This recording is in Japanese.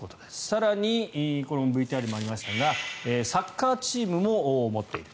更にこれもＶＴＲにありましたがサッカーチームも持っている。